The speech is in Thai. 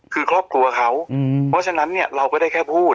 คือครอบครัวเขาเพราะฉะนั้นเนี่ยเราก็ได้แค่พูด